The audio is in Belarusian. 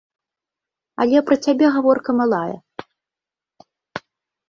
Але пра цябе гаворка малая.